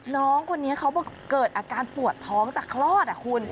น้องคนนี้เขาเกิดอาการปวดท้องจากคลอดคุณ